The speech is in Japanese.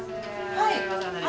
はい。